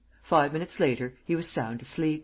Five minutes later he was sound asleep.